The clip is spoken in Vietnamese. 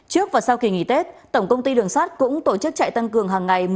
trước và sau kỳ nghỉ tết tổng công ty đường sắt cũng tổ chức chạy tăng cường hàng ngày